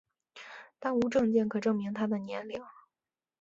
但无证件可证明她的年龄。